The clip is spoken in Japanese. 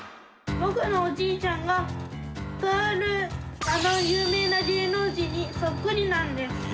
僕のおじいちゃんがとあるあの有名な芸能人にそっくりなんです。